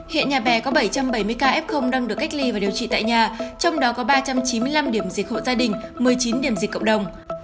hiện nhà bè có bảy trăm bảy mươi ca f đang được cách ly và điều trị tại nhà trong đó có ba trăm chín mươi năm điểm dịch hộ gia đình một mươi chín điểm dịch cộng đồng